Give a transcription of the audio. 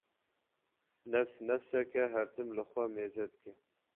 Nefs nefsek e her tim li xwe mêze dike